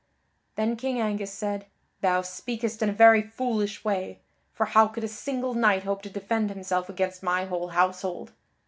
Then King Angus said: "Thou speakest in a very foolish way, for how could a single knight hope to defend himself against my whole household?